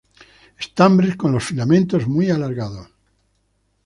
Estambres con los filamentos muy alargados.